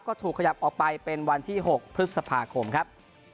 ก็ถูกขยับออกไปเป็นวันที่๖พฤษภาคมครับ